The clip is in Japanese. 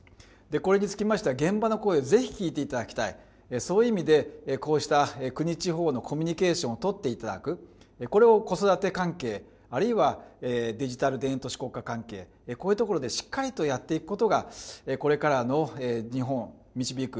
これにつきましては現場の声をぜひ聞いていただきたい、そういう意味で、こうした国、地方のコミュニケーションを取っていただく、これを子育て関係、あるいはデジタル田園都市国家関係、こういうところでしっかりとやっていくことが、これからの日本を導く、